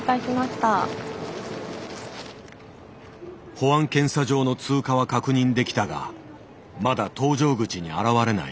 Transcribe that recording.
保安検査場の通過は確認できたがまだ搭乗口に現れない。